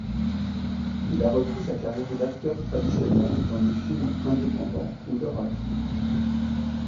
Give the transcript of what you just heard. Il a repris sa carrière d'acteur traditionnel dans des films indépendants ou d'horreur.